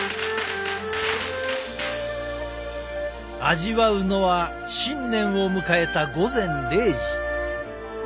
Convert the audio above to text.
味わうのは新年を迎えた午前０時。